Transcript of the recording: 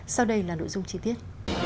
sau đây là nội dung chi tiết